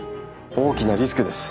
大きなリスクです。